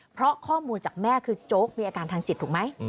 เพราะข้อมูลจากแม่คือโจ๊กมีอาการทางจิตถูกไหม